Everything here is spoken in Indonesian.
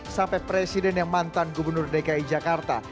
sampai presiden yang mantan gubernur dki jakarta